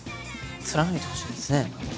貫いてほしいですね本当に。